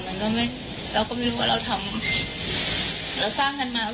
มันสร้างอะไรมามันก็ไม่มีอะไรแล้ว